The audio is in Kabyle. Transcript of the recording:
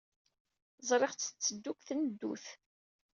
Ẓriɣ-tt tetteddu deg tneddut.